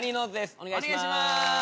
お願いします。